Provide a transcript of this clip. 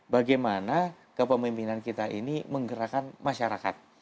bagaimana kepemimpinan kita ini menggerakkan masyarakat